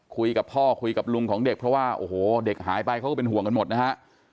คุยกับพ่อคุยกับลุงของเด็กเพราะว่าโอ้โหเด็กหายไปเขาก็เป็นห่วงกันหมดนะฮะ